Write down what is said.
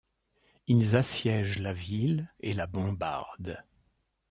Ils assiègent la ville et la bombardent.